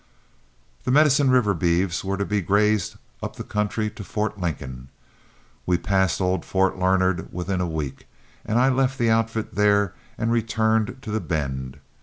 The Medicine River beeves were to be grazed up the country to Fort Lincoln. We passed old Fort Larned within a week, and I left the outfit there and returned to The Bend.